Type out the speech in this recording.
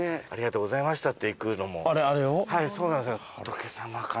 ありがとうございます。